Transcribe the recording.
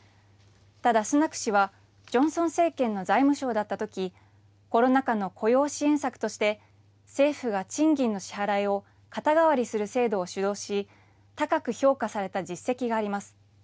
ただ、スナク氏は、ジョンソン政権の財務相だったとき、コロナ禍の雇用支援策として、政府が賃金の支払いを肩代わりする制度を主導し、高く評価された実績があります。